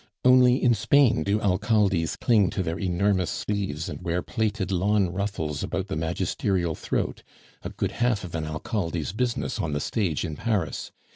Only in Spain do Alcaldes cling to their enormous sleeves and wear plaited lawn ruffles about the magisterial throat, a good half of an Alcalde's business on the stage in Paris.